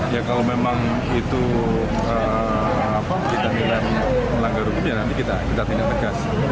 ya kalau memang itu kita melanggar rupanya nanti kita tinggal tegas